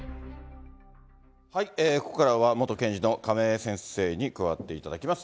ここからは、元検事の亀井先生に加わっていただきます。